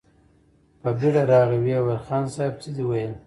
په بېړه راغی، ويې ويل: خان صيب! څه دې ويل؟